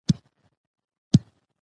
بې عدالتي دلته نه لیدل کېږي.